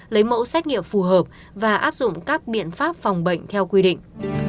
lấy mẫu xét nghiệm phù hợp và áp dụng các biện pháp phòng bệnh theo quy định